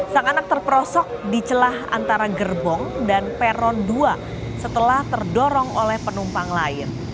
sang anak terperosok di celah antara gerbong dan peron dua setelah terdorong oleh penumpang lain